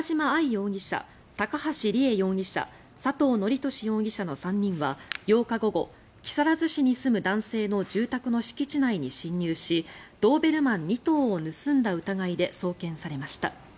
容疑者、高橋里衣容疑者佐藤徳壽容疑者の３人は８日午後、木更津市に住む男性の住宅の敷地内に侵入しドーベルマン２頭を盗んだ疑いで送検されました。